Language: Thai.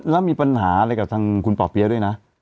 แล้วมีปัญหาอะไรกับทางคุณป่อเปี๊ยะด้วยนะ